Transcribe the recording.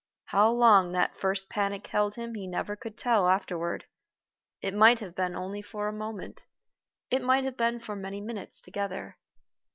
How long that first panic held him he never could tell afterward. It might have been only for a moment it might have been for many minutes together.